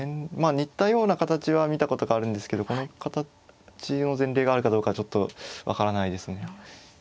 似たような形は見たことがあるんですけどこの形の前例があるかどうかはちょっと分からないですね。